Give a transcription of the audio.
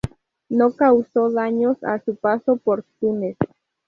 No causo daños a su paso por Túnez.